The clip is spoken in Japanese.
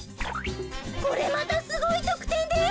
これまたすごいとくてんです。